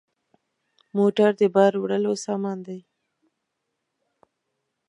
موټر د بار وړلو سامان دی.